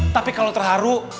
tapi kalo terharu